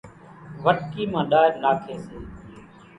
وٽڪي مان ڏار ناکي سي